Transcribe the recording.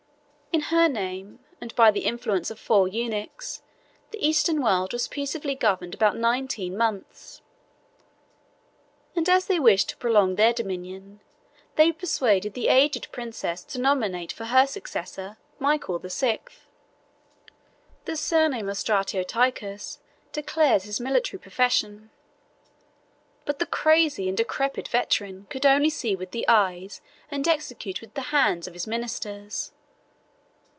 In her name, and by the influence of four eunuchs, the Eastern world was peaceably governed about nineteen months; and as they wished to prolong their dominion, they persuaded the aged princess to nominate for her successor Michael the Sixth. The surname of Stratioticus declares his military profession; but the crazy and decrepit veteran could only see with the eyes, and execute with the hands, of his ministers.